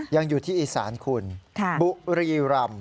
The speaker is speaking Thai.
ยังอยู่ที่อีสานคุณบุรีรำ